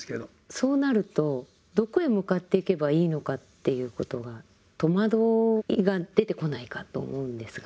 そうなるとどこへ向かっていけばいいのかっていうことが戸惑いが出てこないかと思うんですが。